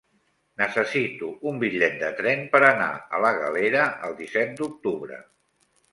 Necessito un bitllet de tren per anar a la Galera el disset d'octubre.